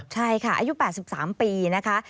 ใช่ค่ะอายุ๘๓ปีนะคะ